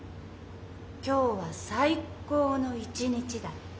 今日は最高の一日だった。